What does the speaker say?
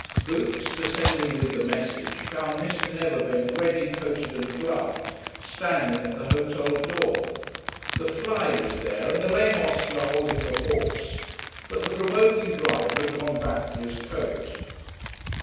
Boots, descending with the message, found Mr. Neverbend ready coated and gloved, standing at the hotel door. The fly was there, and the lame ostler holding the horse; but the provoking driver had gone back for his coat.